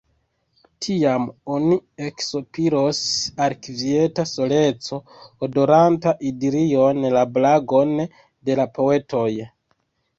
Tiam oni eksopiros al kvieta soleco, odoranta idilion la blagon de la poetoj.